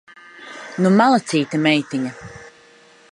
Nu malacīte meitiņa!